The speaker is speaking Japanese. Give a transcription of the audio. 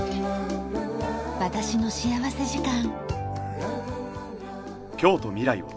『私の幸福時間』。